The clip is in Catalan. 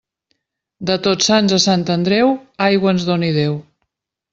De Tots Sants a Sant Andreu, aigua ens doni Déu.